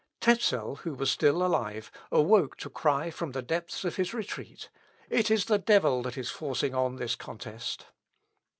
Tezel, who was still alive, awoke to cry from the depth of his retreat, "It is the devil that is forcing on this contest."